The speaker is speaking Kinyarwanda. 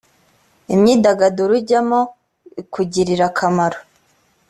imyidagaduro ujyamo ikugirira akamaro